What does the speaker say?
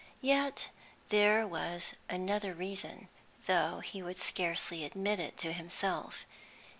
Yet there was another reason, though he would scarcely admit it to himself.